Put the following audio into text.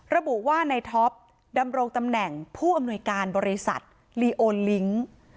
ระบุว่าในท็อปดำรงตำแหน่งผู้อำนวยการบริษัทลีโอลิงค์